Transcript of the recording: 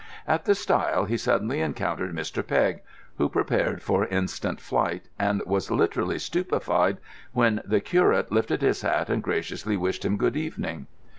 At the stile, he suddenly encountered Mr. Pegg, who prepared for instant flight and was literally stupefied when the curate lifted his hat and graciously wished him "good evening."